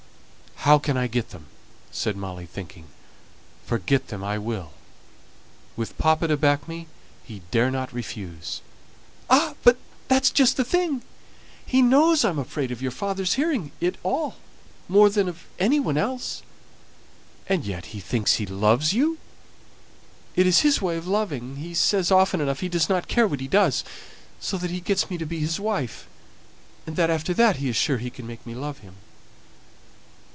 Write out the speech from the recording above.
"How can I get them?" said Molly, thinking: "for get them I will. With papa to back me, he dare not refuse." "Ah! But that's just the thing. He knows I'm afraid of your father's hearing of it all, more than of any one else." "And yet he thinks he loves you!" "It is his way of loving. He says often enough he doesn't care what he does so that he gets me to be his wife; and that after that he is sure he can make me love him."